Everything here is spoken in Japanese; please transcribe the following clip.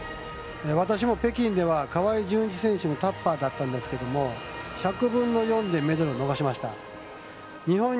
私も北京では河合純一選手のタッパーだったんですけど１００分の４でメダルを逃しました。